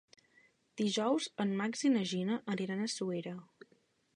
Dijous en Max i na Gina aniran a Suera.